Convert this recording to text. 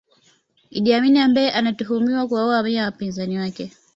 Idi Amin ambaye anatuhumiwa kuwaua mamia ya wapinzani wake